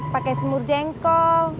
pakai semur jengkol